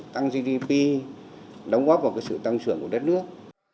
tăng gdp đóng góp vào sự tăng trưởng của đất nước